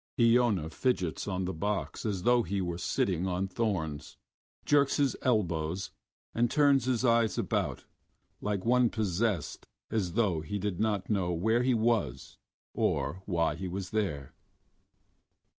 Iona fidgets on the box as though he were sitting on thorns, jerks his elbows, and turns his eyes about like one possessed as though he did not know where he was or why he was there.